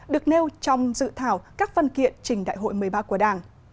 được nêu trong dự thảo các văn kiện trình đại hội một mươi ba của đảng